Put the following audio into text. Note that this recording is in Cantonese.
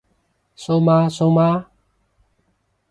蘇媽蘇媽？